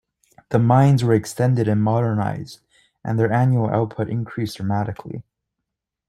The mines were extended and modernized, and their annual output increased dramatically.